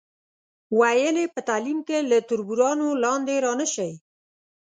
ویل یې په تعلیم کې له تربورانو لاندې را نشئ.